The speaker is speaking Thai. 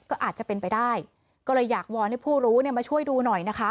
ก็อาจจะเป็นไปได้ก็เลยอยากวอนให้ผู้รู้เนี่ยมาช่วยดูหน่อยนะคะ